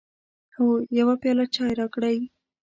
هو، یو پیاله چای راکړئ